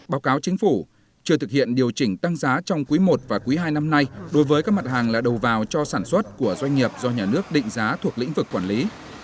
báo cáo chính phủ chưa thực hiện điều chỉnh tăng giá trong quý i và quý hai năm nay đối với các mặt hàng là đầu vào cho sản xuất của doanh nghiệp do nhà nước định giá thuộc lĩnh vực quản lý